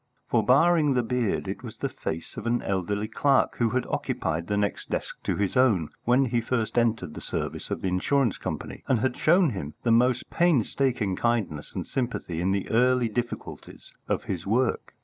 For, barring the beard, it was the face of an elderly clerk who had occupied the next desk to his own when he first entered the service of the insurance company, and had shown him the most painstaking kindness and sympathy in the early difficulties of his work.